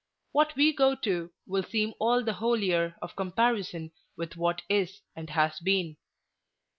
What we go to will seem all the holier of comparison with what is and has been.